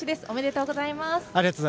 おめでとうございます。